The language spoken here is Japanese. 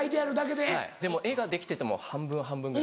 でも絵ができてても半分半分ぐらい。